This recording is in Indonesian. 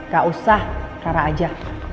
gak usah rara aja